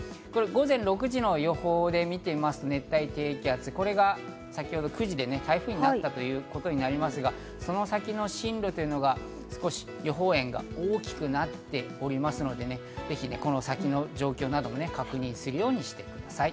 午前６時の予報で見てみますとね、熱帯低気圧、これが先ほど９時で台風になったということになりますが、その先の進路というのが、少し予報円が大きくなっておりますので、ぜひこの先の状況などを確認するようにしてください。